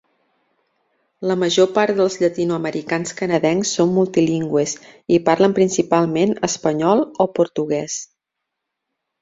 La major part dels llatinoamericans canadencs són multilingües i parlen principalment espanyol o portuguès.